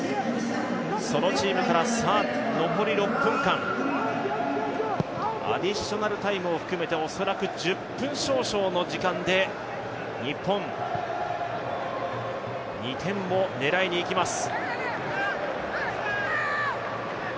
そのチームから、残り６分間アディショナルタイムを含めておそらく１０分少々の時間で日本、２点を狙いにいきます。